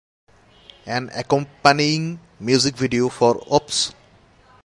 An accompanying music video for Oops!...